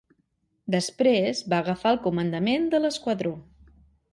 Després va agafar el comandament de l'esquadró.